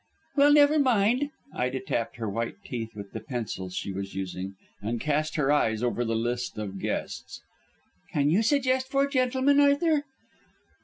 "Well, never mind." Ida tapped her white teeth with the pencil she was using, and cast her eyes over the list of guests. "Can you suggest four gentlemen, Arthur?"